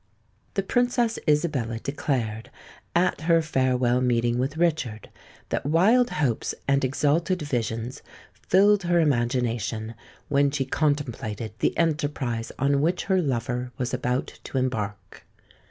The Princess Isabella declared, at her farewell meeting with Richard, that wild hopes and exalted visions filled her imagination when she contemplated the enterprise on which her lover was about to embark.